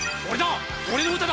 俺だ